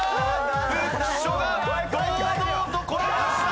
浮所が堂々と転がした。